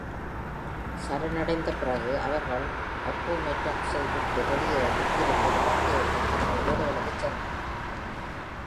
சரணடைந்த பிறகு அவர்கள் Appomattox-ஐ விட்டு வெளியேறி, இங்கிருந்து வடக்கேயுள்ள தங்களது வீடுகளுக்குச் சென்றனர்.